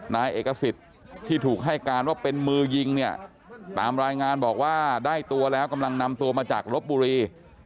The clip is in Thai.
นายเอกสิทธิ์ที่ถูกให้การว่าเป็นมือยิงเนี่ยตามรายงานบอกว่าได้ตัวแล้วกำลังนำตัวมาจากลบบุรี